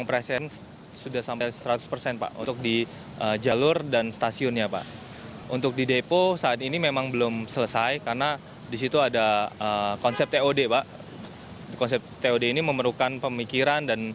pekerjaan utama yang saat ini dikerjakan adalah proses tahap akhir yang sesuai dengan skema pembangunan